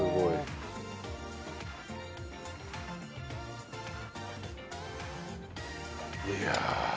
いや。